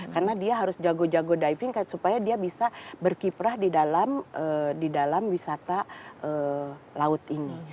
karena dia harus jago jago diving supaya dia bisa berkiprah di dalam wisata laut ini